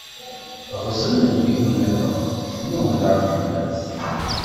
Ɣzen lbir-nniḍen, nnuɣen daɣen fell-as.